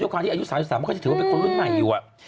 ความที่อายุ๓๓มันก็จะถือว่าเป็นคนรุ่นใหม่อยู่